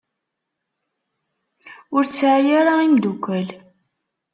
Ur tesɛi ara imdukkal.